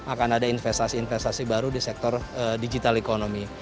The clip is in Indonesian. akan ada investasi investasi baru di sektor digital economy